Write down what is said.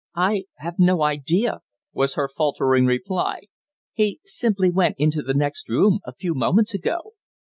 "I have no idea," was her faltering reply. "He simply went into the next room a few moments ago."